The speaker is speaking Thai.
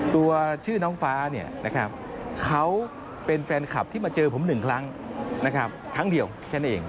ตัวชื่อน้องฟ้าเขาเป็นแฟนคลับที่มาเจอผมหนึ่งครั้งครั้งเดียวแค่นั้นเอง